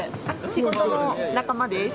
仕事の仲間です。